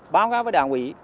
báo cáo với đảng ủy